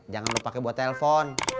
jangan lupa pakai buat telpon